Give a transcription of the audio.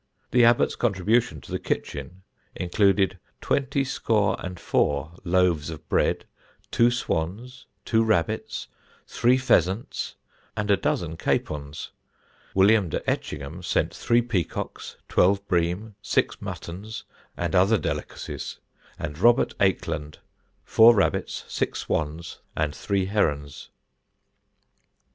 The Abbot's contribution to the kitchen included twenty score and four loaves of bread, two swans, two rabbits, three fessantes, and a dozen capons; William de Echingham sent three peacocks, twelve bream, six muttons, and other delicacies; and Robert Acheland four rabbits, six swans, and three herons.